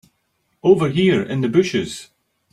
Over here in the bushes.